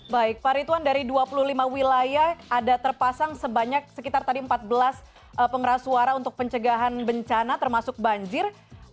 baik pak rituan dari dua puluh lima wilayah ada terpasang sebanyak sekitar tadi empat belas pengeras suara untuk pencegahan bencana termasuk banjir